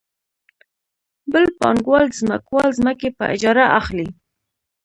بل پانګوال د ځمکوال ځمکې په اجاره اخلي